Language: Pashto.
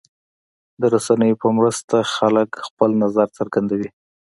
د رسنیو په مرسته خلک خپل نظر څرګندوي.